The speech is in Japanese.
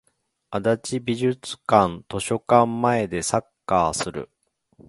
足立美術館図書館前でサッカーする